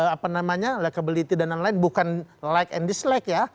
apa namanya likability dan lain lain bukan like and dislike ya